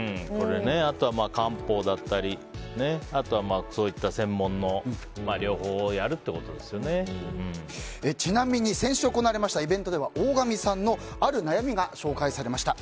あとは漢方だったりそういった専門の療法をちなみに、先週行われましたイベントでは大神さんのある悩みが紹介されました。